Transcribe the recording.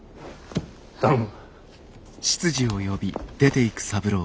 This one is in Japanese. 頼む。